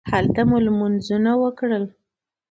هلته مو لمونځونه وکړل.